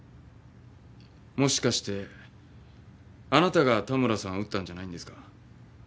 もしかしてあなたが田村さんを撃ったんじゃないんですか？